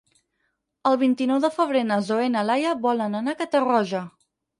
El vint-i-nou de febrer na Zoè i na Laia volen anar a Catarroja.